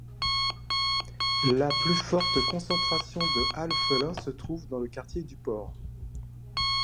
La plus forte concentration de halfelins se trouve dans le Quartier du Port.